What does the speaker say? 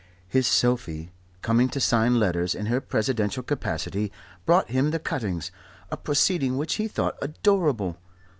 His Sophie, coming to sign letters in her presidential capacity, brought him the cuttings, a proceeding which he thought adorable.